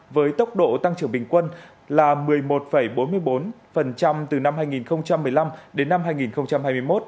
với tốc độ tăng trưởng bình quân là một mươi một bốn mươi bốn từ năm hai nghìn một mươi năm đến năm hai nghìn hai mươi một